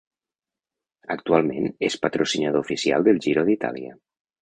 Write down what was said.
Actualment és patrocinador oficial del Giro d'Itàlia.